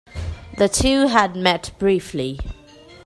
The two had met briefly.